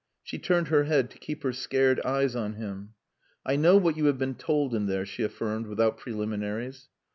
She turned her head to keep her scared eyes on him. "I know what you have been told in there," she affirmed, without preliminaries.